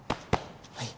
はい。